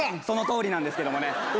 そのとおりなんですけどもね